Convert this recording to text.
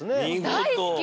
大好き。